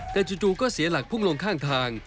แต่จู่ก็เสียหลักพุ่งลงข้างทาง